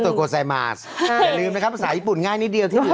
นอกจากนั้นเป็นแบบแยกหมด